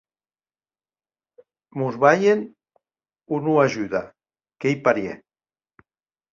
Mos balhen o non ajuda, qu’ei parièr!